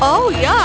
kau tidak keras